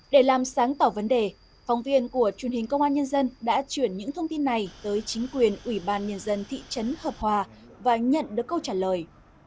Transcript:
để làm sáng tỏ vấn đề phóng viên của truyền hình công an nhân dân đã chuyển những thông tin này tới chính quyền ủy ban nhân dân thị trấn hợp hòa và nhận được câu trả lời